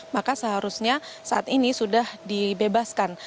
maka seharusnya saat ini sudah dibebaskan